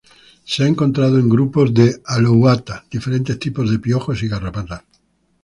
Se ha encontrado en grupos de "Alouatta" diferentes tipos de piojos y garrapatas.